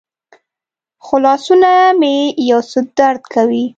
خو لاسونه مې یو څه درد کوي.